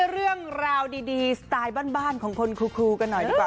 เรื่องราวดีสไตล์บ้านของคนครูกันหน่อยดีกว่า